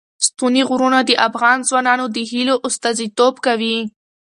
ستوني غرونه د افغان ځوانانو د هیلو استازیتوب کوي.